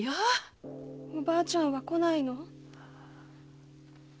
おばあちゃんは来ないの？